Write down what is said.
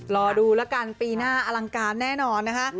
รอดูแล้วกันปีหน้าอลังการแน่นอนนะคะ